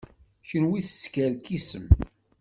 Kenwi teskerkisem.